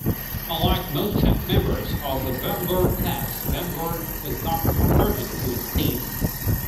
Unlike most members of the "Vanguard"-class, "Vanguard" was not converted to steam.